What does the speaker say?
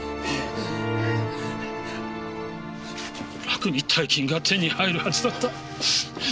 楽に大金が手に入るはずだった。